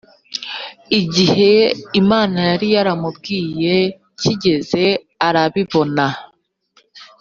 igihe imana yari yaramubwiye kigeze arabibona